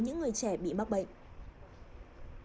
người trẻ bị bác bệnh